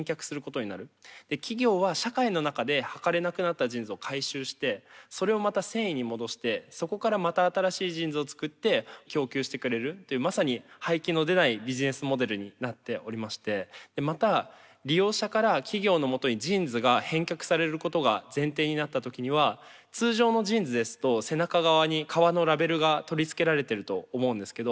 企業は社会の中ではかれなくなったジーンズを回収してそれをまた繊維に戻してそこからまた新しいジーンズを作って供給してくれるというまさに廃棄の出ないビジネスモデルになっておりましてまた利用者から企業のもとにジーンズが返却されることが前提になった時には通常のジーンズですと背中側に革のラベルが取り付けられてると思うんですけど